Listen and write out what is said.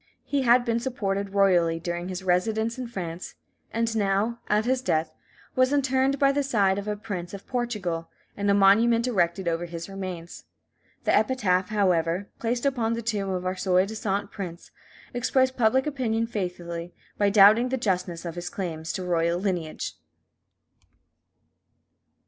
He had been supported royally during his residence in France, and now, at his death, was interred by the side of a prince of Portugal, and a monument erected over his remains. The epitaph, however, placed upon the tomb of our soi disant prince, expressed public opinion faithfully by doubting the justness of his claims to royal lineage.